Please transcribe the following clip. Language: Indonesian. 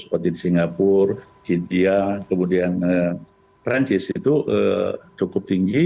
seperti di singapura india kemudian perancis itu cukup tinggi